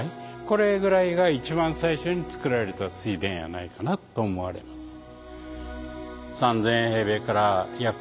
これぐらいが一番最初に作られた水田やないかなと思われます。